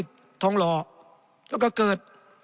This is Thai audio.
บาเที่ยวผักที่ทองหล่อแล้วก็เกิด